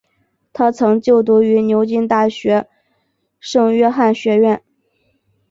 他曾就读于牛津大学圣约翰学院。